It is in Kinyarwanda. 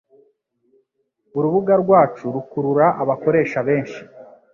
Urubuga rwacu rukurura abakoresha benshi.